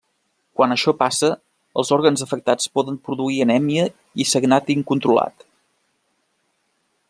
Quan això passa, els òrgans afectats poden produir anèmia i sagnat incontrolat.